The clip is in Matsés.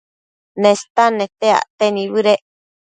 Nestan nete acte nibëdec